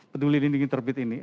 peduli lindungi terbit ini